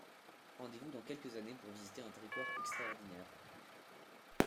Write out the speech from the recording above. Rendez-vous dans quelques années pour visiter un territoire extraordinaire.